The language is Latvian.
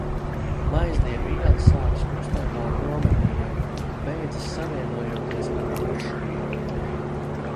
Maiznieku iela sākas krustojumā ar Nometņu ielu un beidzas savienojoties ar Buršu ielu.